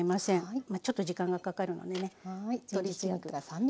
ちょっと時間がかかるのでね。